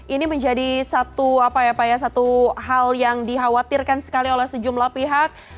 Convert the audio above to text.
ini menjadi satu hal yang dikhawatirkan sekali oleh sejumlah pihak